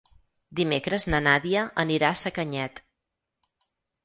Dimecres na Nàdia anirà a Sacanyet.